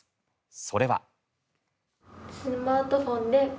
それは。